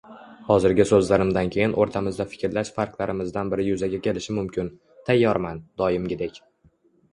Hozirgi so‘zlarimdan keyin o‘rtamizda fikrlash farqlarimizdan biri yuzaga kelishi mumkin. Tayyorman, doimgidek.